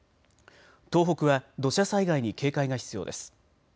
東北は土砂災害に警戒が必要です。